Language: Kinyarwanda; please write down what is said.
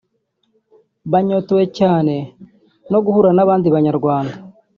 Banyotewe cyane no guhura n’abandi banyarwanda